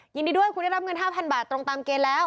ยินดีด้วยคุณได้รับเงิน๕๐๐บาทตรงตามเกณฑ์แล้ว